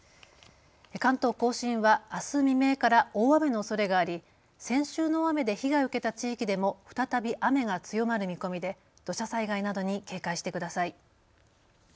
関東甲信はあす未明から大雨のおそれがあり先週の大雨で被害を受けた地域でも再び雨が強まる見込みで土砂災害などに警戒してください。